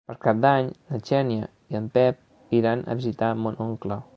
Per Cap d'Any na Xènia i en Pep iran a visitar mon oncle.